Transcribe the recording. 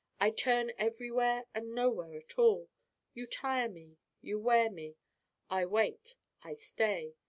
I turn everywhere and nowhere at all. You tire me you wear me. I wait. I stay.